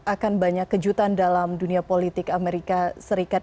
akan banyak kejutan dalam dunia politik amerika serikat